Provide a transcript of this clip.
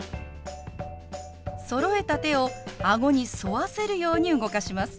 そろえた手を顎に沿わせるように動かします。